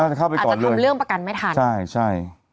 อาจจะทำเรื่องประกันไม่ทัน